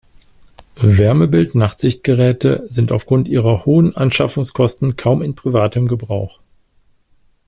Wärmebild-Nachtsichtgeräte sind aufgrund ihrer hohen Anschaffungskosten kaum in privatem Gebrauch.